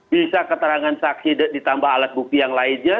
bisa keterangan saksi ditambah alat bukti yang lainnya